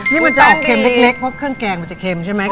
นี่มันจะออกเค็มเล็กเพราะเครื่องแกงมันจะเค็มใช่ไหม